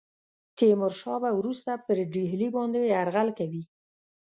تیمور شاه به وروسته پر ډهلي باندي یرغل کوي.